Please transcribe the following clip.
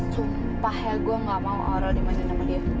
sumpah ya gue gak mau orang dimain sama dia